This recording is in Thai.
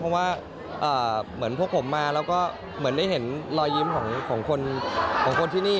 เพราะว่าเหมือนพวกผมมาแล้วก็เหมือนได้เห็นรอยยิ้มของคนที่นี่